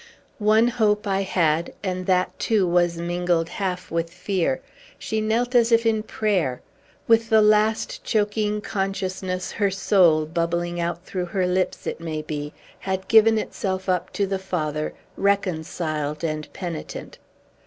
One hope I had, and that too was mingled half with fear. She knelt as if in prayer. With the last, choking consciousness, her soul, bubbling out through her lips, it may be, had given itself up to the Father, reconciled and penitent.